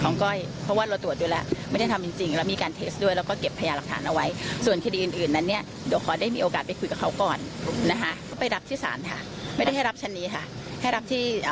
นี่แหละครับคุณผู้ชมครับ